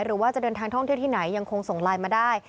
หรือว่าจะเดินทางท่องเที่ยวที่ไหนยังคงส่งไลน์มาได้